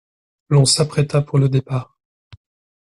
L'on s'apprêta pour le départ.